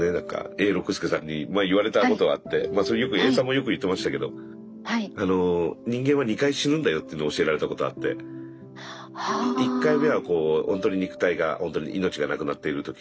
永六輔さんに前言われたことがあってまあそれよく永さんもよく言ってましたけど人間は２回死ぬんだよっていうのを教えられたことあって１回目はほんとに肉体がほんとに命が亡くなっている時と。